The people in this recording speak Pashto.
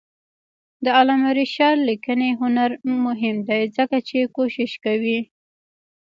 د علامه رشاد لیکنی هنر مهم دی ځکه چې کوشش کوي.